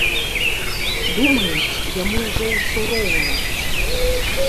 Думаюць, яму ўжо ўсё роўна.